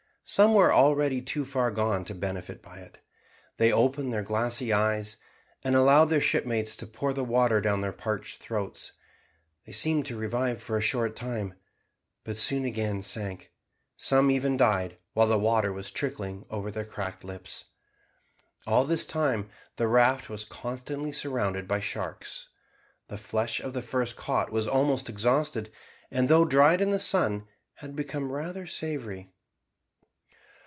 Some were already too far gone to benefit by it. They opened their glassy eyes, and allowed their shipmates to pour the water down their parched throats; they seemed to revive for a short time, but soon again sank, and some even died while the water was trickling over their cracked lips. All this time the raft was constantly surrounded by sharks. The flesh of the first caught was almost exhausted, and though dried in the sun had become rather savoury.